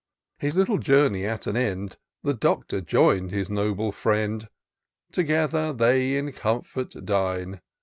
His little journey at an end. The Doctor join'd his noble friend : Together they in comfort dine.